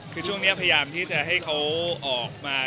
คือช่วงนี้พยายามที่จะให้เขาออกมา